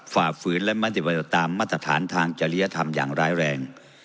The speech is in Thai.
ฝ่าฝืนและมติบัติตามมาตรฐานทางจริยธรรมอย่างร้ายแรง